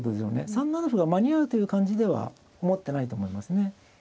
３七歩が間に合うという感じでは思ってないと思いますね。